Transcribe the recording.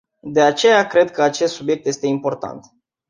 De aceea, cred că acest subiect este important.